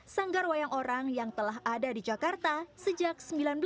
sanggar wayang orang yang telah ada di jakarta sejak seribu sembilan ratus sembilan puluh